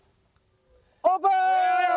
オープン！わ！